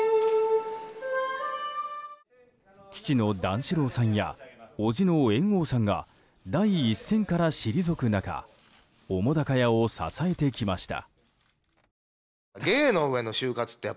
父の段四郎さんや伯父の猿翁さんが第一線から退く中澤瀉屋を支えてきました。